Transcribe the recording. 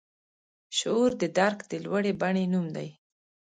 شعور د درک د لوړې بڼې نوم دی.